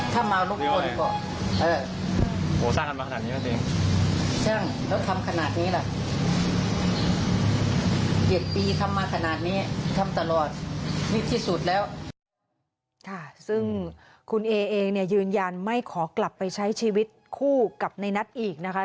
คุณเอ๋เองยืนยันไม่ขอกลับไปใช้ชีวิตคู่กับในนัดอีกนะคะ